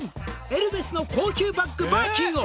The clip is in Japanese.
「エルメスの高級バッグバーキンを」